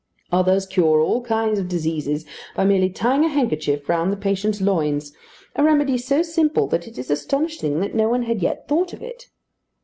Others cure all kinds of diseases, by merely tying a handkerchief round the patient's loins, a remedy so simple that it is astonishing that no one had yet thought of it.